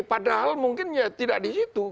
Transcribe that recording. padahal mungkin ya tidak di situ